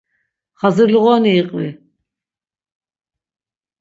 Xazirluğoni iqvi.